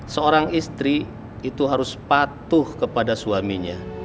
seorang istri itu harus patuh kepada suaminya